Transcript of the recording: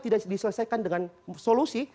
tidak diselesaikan dengan solusi